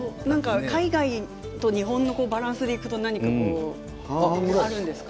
海外と日本のバランスでいうと何かありますか？